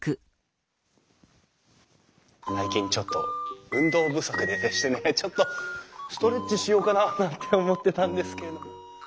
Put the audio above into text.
最近ちょっと運動不足でしてねちょっとストレッチしようかななんて思ってたんですけれども。